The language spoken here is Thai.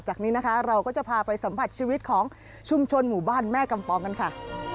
จากนี้นะคะเราก็จะพาไปสัมผัสชีวิตของชุมชนหมู่บ้านแม่กำปองกันค่ะ